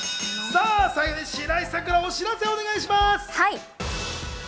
さぁ最後に白石さんからお知らせをお願いします。